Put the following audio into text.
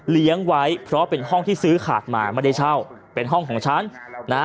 เลี้ยงไว้เพราะเป็นห้องที่ซื้อขาดมาไม่ได้เช่าเป็นห้องของฉันนะฮะ